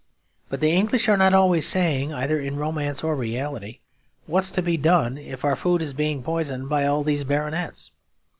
But the English are not always saying, either in romance or reality, 'What's to be done, if our food is being poisoned by all these baronets?'